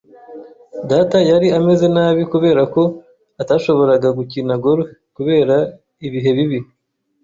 Data yari ameze nabi kubera ko atashoboraga gukina golf kubera ibihe bibi.